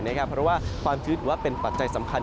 เพราะว่าความชื้นถือว่าเป็นปัจจัยสำคัญ